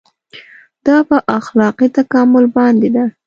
دا په اخلاقي تکامل باندې ده.